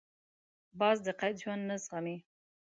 باز د قید ژوند نه زغمي